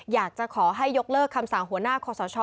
อยากจะขอให้ยกเลิกคำสั่งหัวหน้าคอสช